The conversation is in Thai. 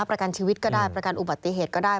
ประกันชีวิตก็ได้ประกันอุบัติเหตุก็ได้